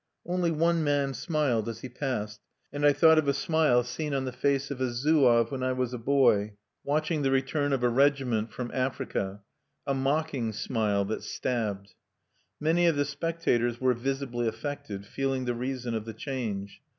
(Only one man smiled as he passed; and I thought of a smile seen on the face of a Zouave when I was a boy, watching the return of a regiment from Africa, a mocking smile, that stabbed.) Many of the spectators were visibly affected, feeling the reason of the change.